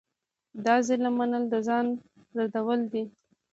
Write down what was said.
د ظالم منل د ځان ردول دي.